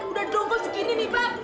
lo udah dongkol segini nih bang